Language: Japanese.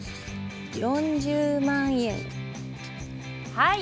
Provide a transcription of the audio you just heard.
はい。